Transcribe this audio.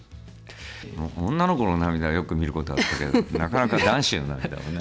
女の子の涙はよく見ることあったけどなかなか男子の涙はね。